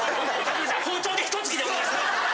包丁でひと突きでお願いします。